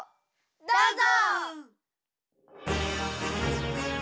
どうぞ！